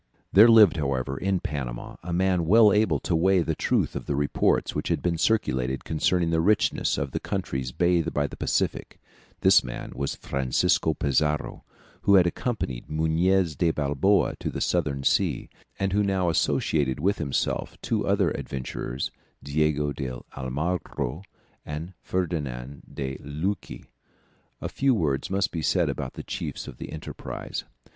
] There lived, however, in Panama a man well able to weigh the truth of the reports which had been circulated concerning the richness of the countries bathed by the Pacific; this man was Francisco Pizarro, who had accompanied Muñez de Balboa to the southern sea, and who now associated with himself two other adventurers, Diego de Almagro and Ferdinand de Luque. A few words must be said about the chiefs of the enterprise.